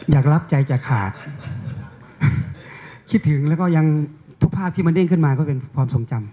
อยากรับใจจะขาดคิดถึงแล้วก็ยังทุกภาพที่มันเด้งขึ้นมาก็เป็นความทรงจำ